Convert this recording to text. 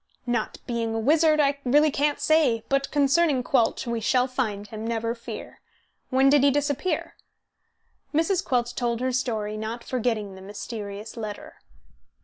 "Not being a wizard, I really can't say; but concerning Quelch, we shall find him, never fear. When did he disappear?" Mrs. Quelch told her story, not forgetting the mysterious letter.